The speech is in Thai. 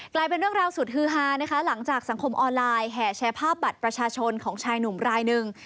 กลายเป็นเรื่องราวสุดฮือฮานะคะหลังจากสังคมออนไลน์แห่แชร์ภาพบัตรประชาชนของชายหนุ่มรายหนึ่ง